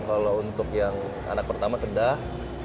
kalau untuk yang anak pertama sedah